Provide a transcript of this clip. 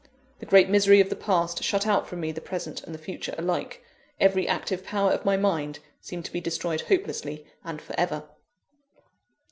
The great misery of the past, shut out from me the present and the future alike every active power of my mind seemed to be destroyed hopelessly and for ever.